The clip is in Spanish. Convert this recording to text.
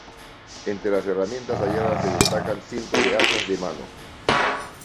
Entre las herramientas halladas se destacan cientos de hachas de mano.